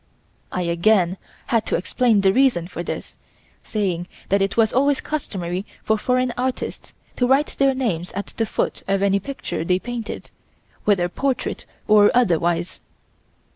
I again had to explain the reason for this, saying that it was always customary for foreign artists to write their names at the foot of any picture they painted, whether portrait or otherwise.